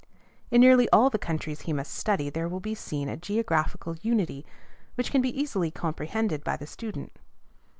In nearly all the countries he must study there will be seen a geographical unity which can be easily comprehended by the student.